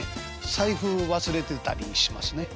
財布忘れてたりしますね。